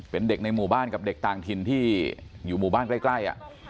เป็นเด็กในหมู่บ้านกับเด็กต่างถิ่นที่อยู่หมู่บ้านใกล้